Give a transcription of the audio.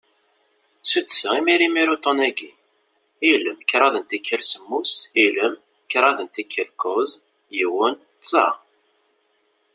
Suddseɣ imir imir uṭṭun-agi: ilem, kraḍ n tikal semmus, ilem, kraḍ n tikal kuẓ, yiwen, tẓa.